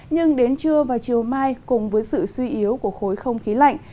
nhưng đến trưa và chiều mai cùng với sự suy yếu của khối không khí lạnh